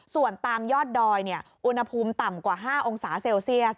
ส่วนตามยอดดอยอุณหภูมิต่ำกว่า๕องศาเซลเซียส